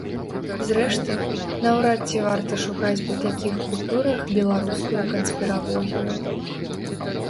Зрэшты, наўрад ці варта шукаць у такіх купюрах беларускую канспіралогію.